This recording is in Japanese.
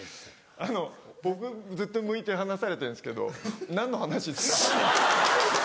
あの僕ずっと向いて話されてるんですけど何の話ですか？